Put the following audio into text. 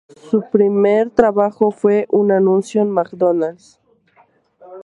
Su primer trabajo fue un anuncio de McDonald's.